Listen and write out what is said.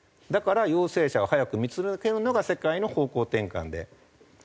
だから陽性者を早く見付けるのが世界の方向転換で。